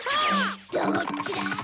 どっちだ！